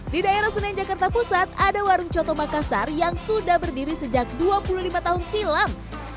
di daerah senen jakarta pusat ada warung coto makassar yang sudah berdiri sejak dua puluh lima tahun silam